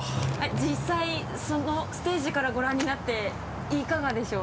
実際そのステージからご覧になっていかがでしょう？